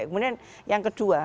kemudian yang kedua